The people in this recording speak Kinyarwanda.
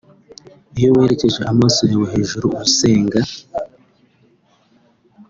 Iyo werekeje amaso yawe hejuru usenga